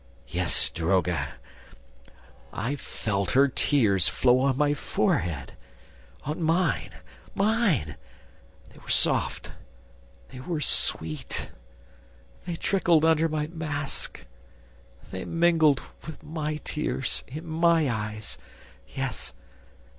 "Yes, daroga ... I felt her tears flow on my forehead ... on mine, mine! ... They were soft ... they were sweet! ... They trickled under my mask ... they mingled with my tears in my eyes ... yes